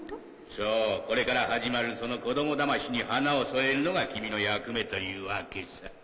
そうこれから始まるその子供だましに花を添えるのが君の役目というわけさ。